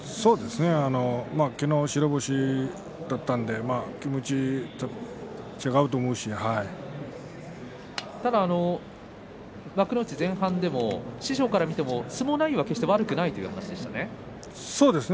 昨日、白星だったんで幕内前半でも師匠から見ても相撲内容は悪くないという話でしたね。